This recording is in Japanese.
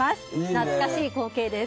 懐かしい光景です。